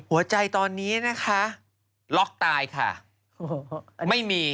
หัวใจตอนนี้นะคะล๊อคตายค่ะไม่มี